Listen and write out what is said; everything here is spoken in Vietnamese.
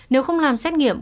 nếu không làm xét nghiệm